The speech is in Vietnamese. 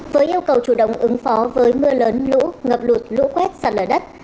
với yêu cầu chủ động ứng phó với mưa lớn lũ ngập lụt lũ quét sạt lở đất